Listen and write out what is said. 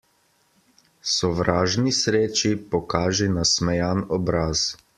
Sovražni sreči pokaži nasmejan obraz.